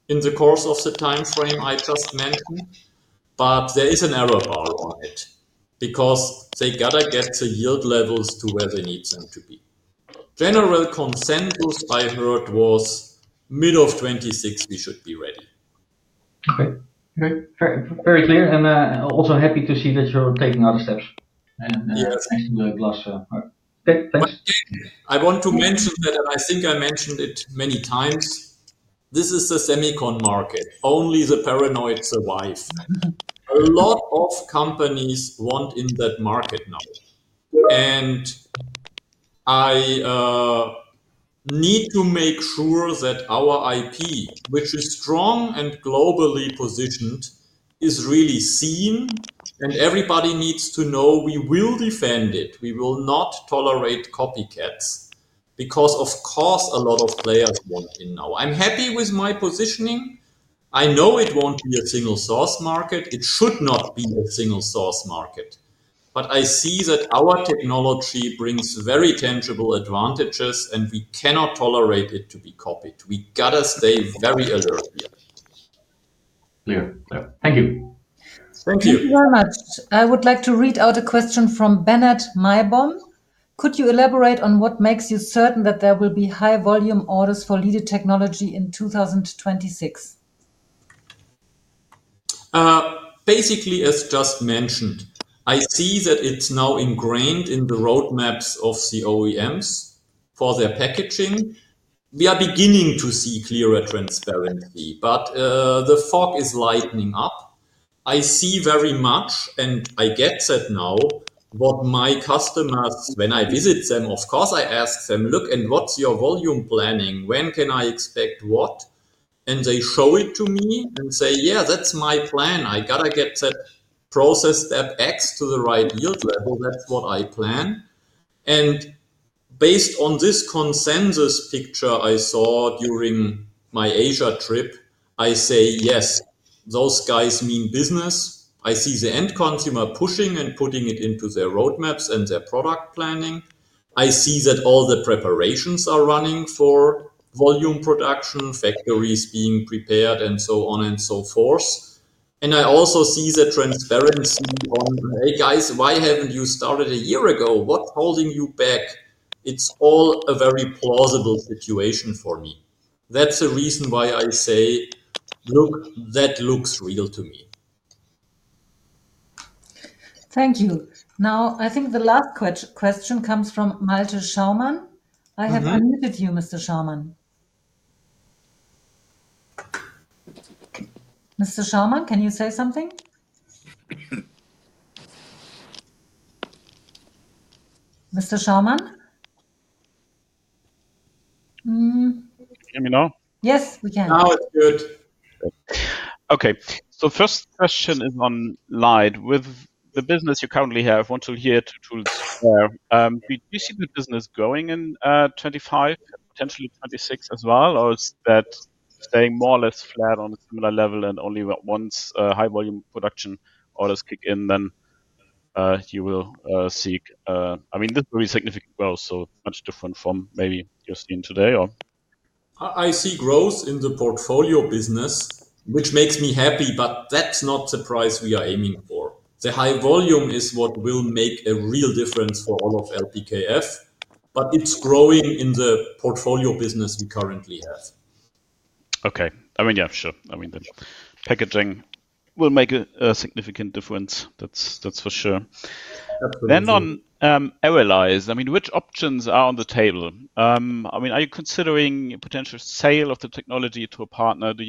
in the course of the time frame I just mentioned. There is an error bar on it because they gotta get the yield levels to where they need them to be. General consensus I heard was mid of 2026, we should be ready. Okay, very clear. I'm also happy to see that you're taking other steps. I want to mention that I think I mentioned it many times. This is the semicon market. Only the paranoid survive. A lot of companies want in that market now. I need to make sure that our IP, which is strong and globally positioned, is really seen. Everybody needs to know we will defend it. We will not tolerate copycats because, of course, a lot of players want in. I'm happy with my positioning. I know it won't be a single source market, it should not be a single source market. I see that our technology brings very tangible advantages, and we cannot tolerate it to be copied. We gotta stay very alert here. Thank you. Thank you. Thank you very much. I would like to read out a question from Bennett Meyerbom. Could you elaborate on what makes you certain that there will be high volume orders for LIDE technology in 2026? Basically, as just mentioned, I see that it's now ingrained in the roadmaps of the OEMs for their packaging. We are beginning to see clearer transparency. The fog is lightening up. I see very much and I get that now, what my customers, when I visit them, of course I ask them, look, and what's your volume planning? When can I expect what? They show it to me and say, yeah, that's my plan. I gotta get that process, step X to the right yield level. That's what I plan. Based on this consensus picture I saw during my Asia trip, I say yes, those guys mean business. I see the end consumer pushing and putting it into their roadmaps and their product planning. I see that all the preparations are running for volume production, factories being prepared and so on and so forth. I also see the transparency on. Hey guys, why haven't you started a year ago? What's holding you back? It's all a very plausible situation for me. That's the reason why I say, look, that looks real to me. Thank you. Now I think the last question comes from Malte Sharman. I have unmuted you, Mr. Sharman. Mr. Sharman, can you say something? Mr. Sharman. Let me know. Yes, we can Now It's good. Okay, so first question is on LIDE with the business you currently have until here. Do you see the business going in 2025, potentially 2026 as well, or is that staying more or less flat on a similar level, and only once high volume production orders kick in, then you will see, I mean this will be significant growth. Much different from maybe you're seeing. Today I see growth in the portfolio business, which makes me happy. That's not the price we are aiming for. The high volume is what will make a real difference for all of LPKF. It's growing in the portfolio business we currently have. Okay, I mean, yeah, sure. I mean the packaging will make a significant difference. That's for sure. On, I mean, which options are on the table? I mean, are you considering potential sale of the technology to a partner? Do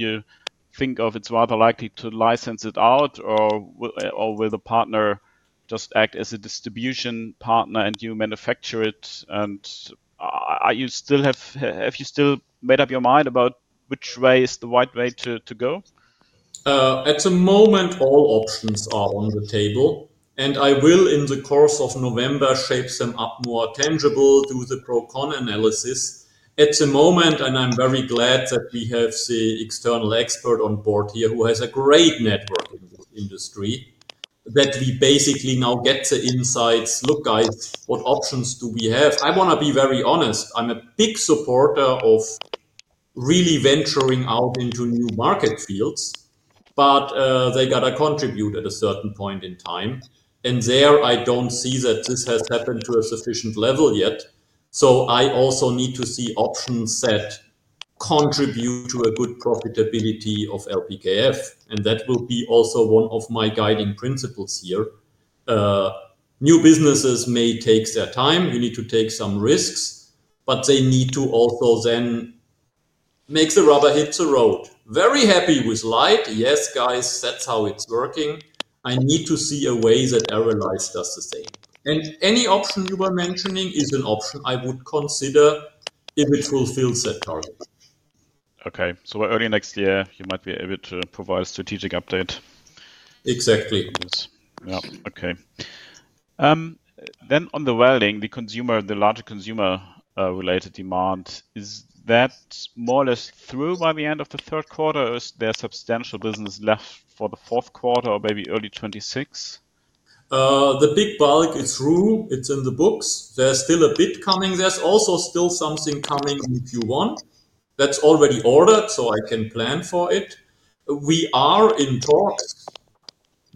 you think it's rather likely to license it out, or will the partner just act as a distribution partner and you manufacture it? Have you still made up your mind about which way is the right? Way to go at the moment, all options are on the table, and I will in the course of November shape them up more tangible, do the pro con analysis at the moment. I'm very glad that we have the external expert on board here who has a great network in this industry, that we basically now get the insights. Look guys, what options do we have? I want to be very honest. I'm a big supporter of really venturing out into new market fields, but they gotta contribute at a certain point in time, and there I don't see that this has happened to a sufficient level yet. I also need to see options that contribute to a good profitability of LPKF. That will be also one of my guiding principles here. New businesses may take their time, you need to take some risks, but they need to also then make the rubber hit the road. Very happy withLIDE. Yes guys, that's how it's working. I need to see a way that ARRALYZE does the same, and any option you were mentioning is an option I would consider if it fulfills that target. Okay, early next year you might be able to provide a strategic update. Exactly. Okay, then on the welding, the larger consumer-related demand, is that more or less through by the end of the third quarter? Is there substantial business left for the fourth quarter or maybe early 2026? The big bulk is through. It's in the books. There's still a bit coming. There's also still something coming in Q1 that's already ordered, so I can plan for it. We are in talks.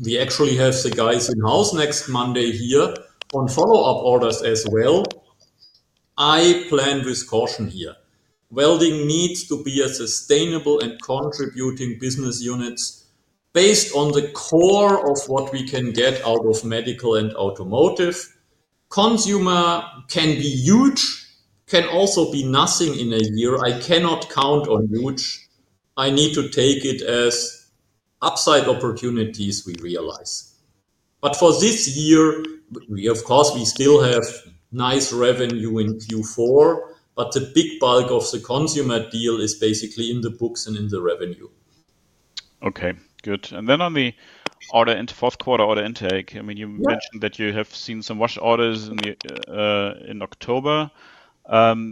We actually have the guys in house next Monday here on follow up orders as well. I plan with caution here. Welding needs to be a sustainable and contributing business unit based on the core of what we can get out of medical and automotive. Consumer can be huge, can also be nothing in a year. I cannot count on huge. I need to take it as upside opportunities we realize. For this year, we of course still have nice revenue in Q4, but the big bulk of the consumer deal is basically in the books and in the revenue. Okay, good. On the order into fourth quarter order intake, you mentioned that you have seen some wash orders in October.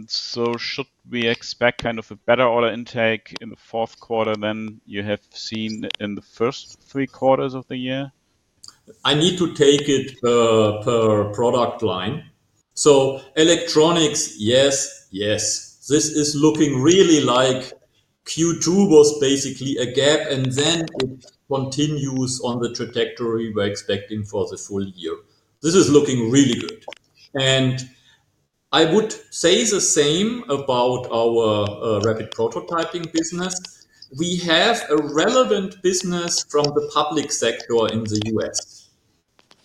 Should we expect kind of a better order intake in the fourth quarter than you have seen in the first quarter, three quarters of the year? I need to take it per product line. So electronics. Yes, yes. This is looking really like Q2 was basically a gap, and then it continues on the trajectory we're expecting for the full year. This is looking really good. I would say the same about our rapid prototyping business. We have a relevant business from the public sector in the U.S.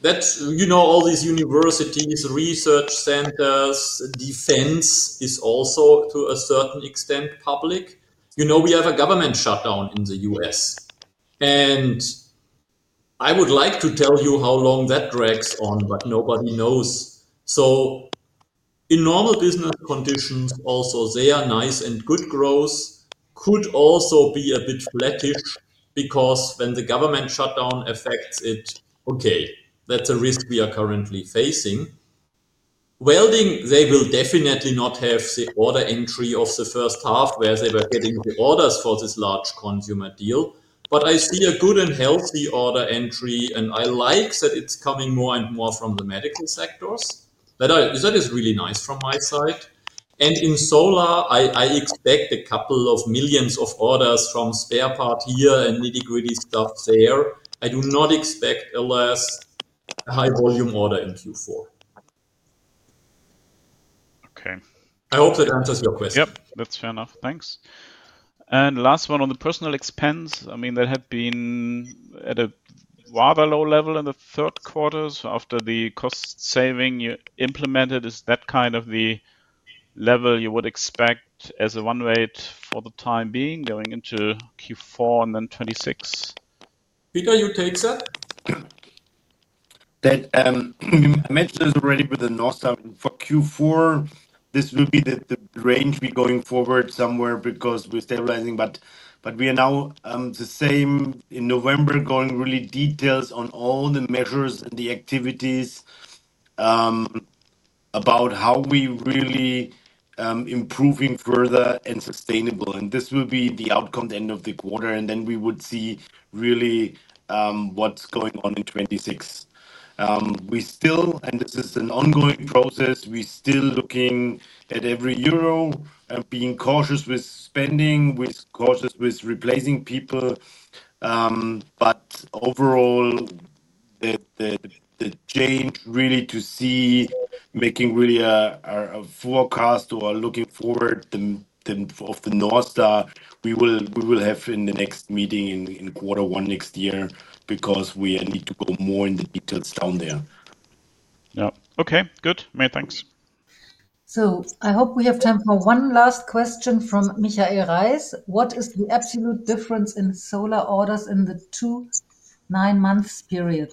that, you know, all these universities, research centers, defense is also to a certain extent public. We have a government shutdown in the U.S., and I would like to tell you how long that drags on, but nobody knows. In normal business conditions, also, they are nice and good. Growth could also be a bit flattish because when the government shutdown affects it, that's a risk we are currently facing. Welding, they will definitely not have the order entry of the first half where they were getting the orders for this large consumer deal. I see a good and healthy order entry, and I like that it's coming more and more from the medical sectors. That is really nice from my side. In solar, I expect a couple of millions of orders from spare part here and nitty gritty stuff there. I do not expect a less high volume order in Q4. I hope that answers your question. That's fair enough. Thanks. Last one, on the personnel expense, I mean that had been at a rather low level in the third quarter after the cost saving you implemented. Is that kind of the level you would expect as a run rate for the time being going into Q4 and then 2026. Peter, you take that. Already with the NOSA for Q4. This will be the range we're going forward somewhere because we're stabilizing. We are now the same in November, going really into details on all the measures and the activities about how we're really improving further and sustainably. This will be the outcome at the end of the quarter, and then we would see really what's going on in 2026. We still, and this is an ongoing process, we still are looking at every euro and being cautious with spending, cautious with replacing people. Overall, the change really is to see making really a forecast or looking forward of the North Star we will have in the next meeting in Q1 next year because we need to go more into the details down there. Okay, good, thanks. I hope we have time for one last question from Michael Reiss. What is the absolute difference in solar orders in the 29 months period?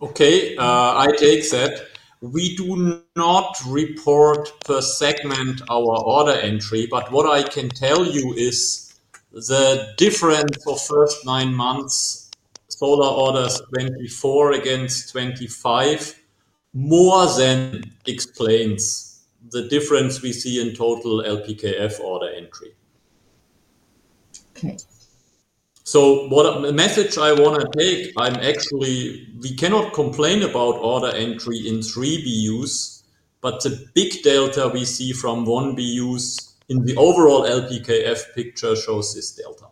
Okay, I take that we do not report per segment our order entry. What I can tell you is the difference for first nine months Solar orders 2024 against 2025 more than explains the difference we see in total LPKF order entry. Okay, so what message I want to take? Actually, we cannot complain about order entry in three bus, but the big delta we see from one bus in the overall LPKF picture shows this delta.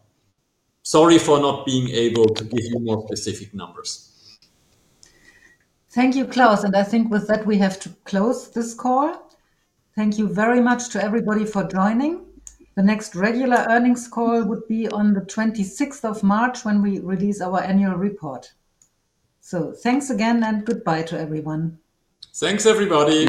Sorry for not being able to give you more specific numbers. Thank you, Klaus. I think with that we have to close this call. Thank you very much to everybody for joining. The next regular earnings call would be on the 26th of March when we release our annual report. Thanks again and goodbye to everyone. Thanks everybody.